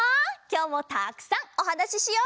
きょうもたくさんおはなししようね！